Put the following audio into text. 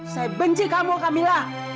saya benci kamu kamilah